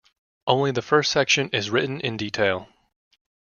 Only the first section is written in detail.